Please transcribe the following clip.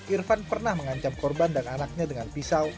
irfan pernah mengancam korban dan anaknya dengan pisau